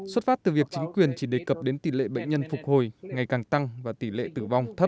xuất phát từ việc chính quyền chỉ đề cập đến tỷ lệ bệnh nhân phục hồi ngày càng tăng và tỷ lệ tử vong thấp